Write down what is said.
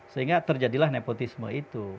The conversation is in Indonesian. sehingga terjadilah nepotisme itu